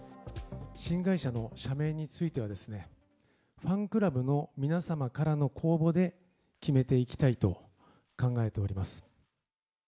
新会社の社名については、ファンクラブの皆様からの公募で決めていきたいと考えております